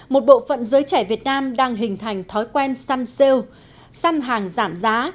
một bộ phận giới trẻ việt nam đang hình thành thói quen săn sale săn hàng giảm giá